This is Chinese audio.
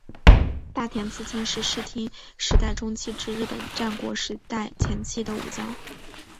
太田资清是室町时代中期至日本战国时代前期的武将。